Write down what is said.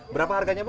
berapa harganya bu